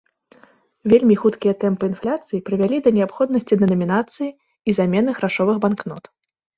Вельмі хуткія тэмпы інфляцыі прывялі да неабходнасці дэнамінацыі і замены грашовых банкнот.